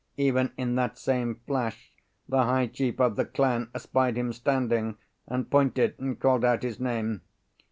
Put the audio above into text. Even in that same flash the high chief of the clan espied him standing, and pointed and called out his name.